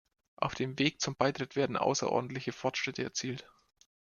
Auf dem Weg zum Beitritt wurden außerordentliche Fortschritte erzielt.